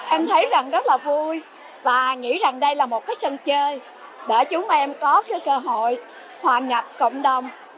em thấy rất là vui và nghĩ rằng đây là một sân chơi để chúng em có cơ hội hòa nhập cộng đồng